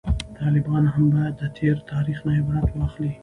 طالبان هم باید د تیر تاریخ نه عبرت واخلي